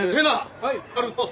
はい。